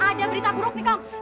ada berita buruk nih kang